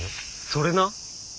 それな！